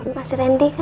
masih rendi kan